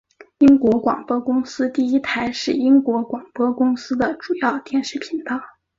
英国广播公司第一台是英国广播公司的主要电视频道。